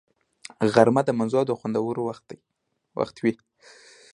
غرمه د مزو او خوندونو وخت وي